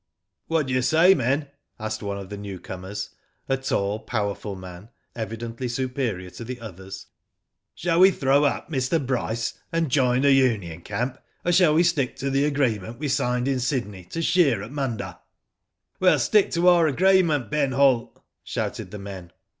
"What do you say men? "asked one of the newcomers, a tall, powerful man, evidently superior to the others. *' Shall we throw up Mr. Bryce, and join the union camp, or shall we stick to the agreement we signed in Sydney, to shear at Munda?" ''We'll stick to our agreement, Ben Holt," shouted the men.